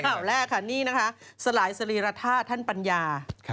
ข่าวแรกค่ะนี่นะคะสลายสรีรธาตุท่านปัญญา